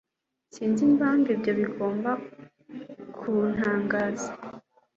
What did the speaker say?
Sinzi impamvu ibyo bigomba kuntangaza